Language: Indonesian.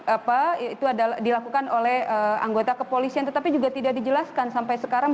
apa itu adalah dilakukan oleh anggota kepolisian tetapi juga tidak dijelaskan sampai sekarang